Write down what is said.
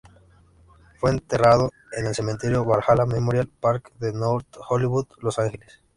Fue enterrado en el Cementerio Valhalla Memorial Park de North Hollywood, Los Ángeles.